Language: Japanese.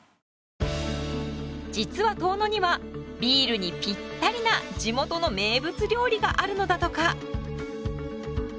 実は遠野にはビールにぴったりな地元の名物料理があるのだとか。